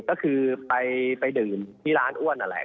ก็คือไปดื่มที่ร้านอ้วนนั่นแหละ